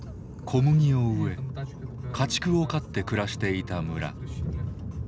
小麦を植え家畜を飼って暮らしていた村。